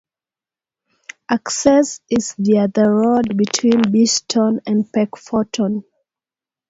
Access is via the road between Beeston and Peckforton.